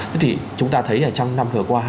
thế thì chúng ta thấy trong năm vừa qua